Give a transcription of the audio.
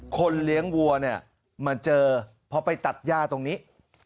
คนเลี้ยงวัวเนี่ยมาเจอพอไปตัดย่าตรงนี้